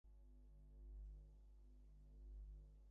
কেবল ভুতোর মা তাহাকে খুব এক কথা শুনাইয়াছিল।